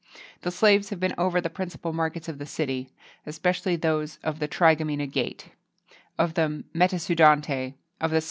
The slaves have been over the principal markets of the city, especially those of the Trigemina gate, DESCRIPTION OF PLATE No.